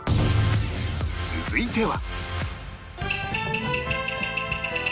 続いては